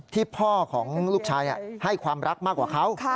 ที่พ่อของลูกชายให้ความรักมากกว่าเขา